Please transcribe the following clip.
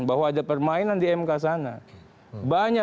bahwa ada permainan di mk sana banyak